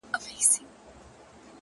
ماسومان زموږ وېريږي ورځ تېرېږي،